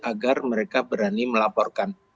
agar mereka berani melaporkan